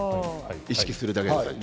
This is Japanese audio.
意識するだけで。